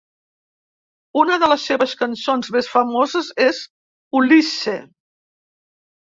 Una de les seves cançons més famoses és "Ulysse".